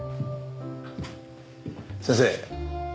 先生。